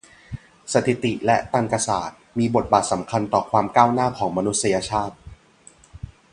สถิติและตรรกะศาสตร์ มีบทบาทสำคัญต่อ ความก้าวหน้าของมนุษยชาติ